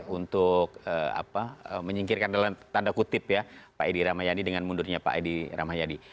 untuk menyingkirkan dalam tanda kutip ya pak edi ramayani dengan mundurnya pak edi rahmayadi